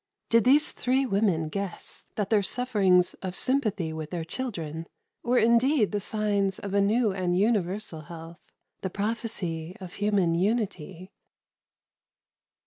Did these three women guess that their sufferings of sympathy with their children were indeed the signs of a new and universal health the prophecy of human unity?